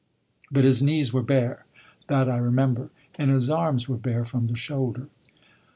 But his knees were bare that I remember; and his arms were bare from the shoulder.